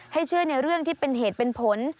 เชื่อในเรื่องที่เป็นเหตุเป็นผล